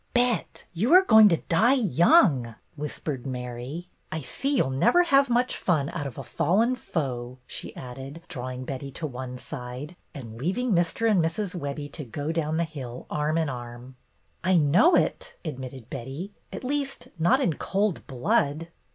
" Bet, you Ye going to die young," whispered Mary. ''I see you'll never have much fun out of a fallen foe," she added, drawing Betty to one side, and leaving Mr. and Mrs. Webbie to go down the hill arm in arm. ''I know it," admitted Betty. ''At least, not in cold blood."